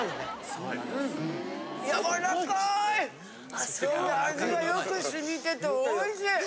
それで味がよく染みてておいしい！